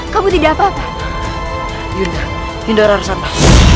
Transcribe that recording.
kamu tidak apa apa